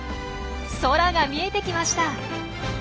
空が見えてきました。